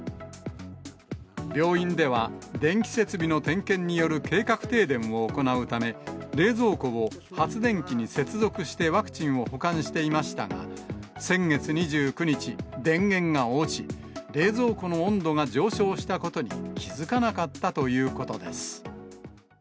病院では、電気設備の点検による計画停電を行うため、冷蔵庫を発電機に接続してワクチンを保管していましたが、先月２９日、電源が落ち、冷蔵庫の温度が上昇したことに気付かなかったということです。